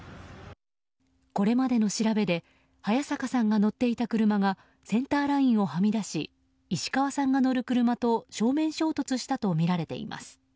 これまでの調べで早坂さんが乗っていた車がセンターラインをはみ出し石川さんが乗る車と正面衝突したとみられています。